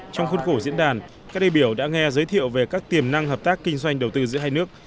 trong khuôn khổ diễn đàn các đại biểu đã nghe giới thiệu về các tiềm năng hợp tác kinh doanh đầu tư giữa hai nước